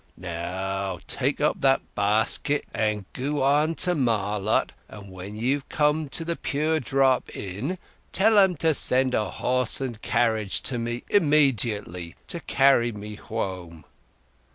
"Now take up that basket, and goo on to Marlott, and when you've come to The Pure Drop Inn, tell 'em to send a horse and carriage to me immed'ately, to carry me hwome.